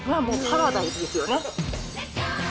もうパラダイスですよね。